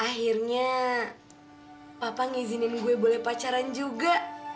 akhirnya papa ngizinin gue boleh pacaran juga